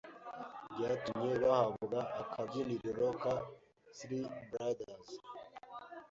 byatumye bahabwa akabyiniriro ka ‘Three Brothers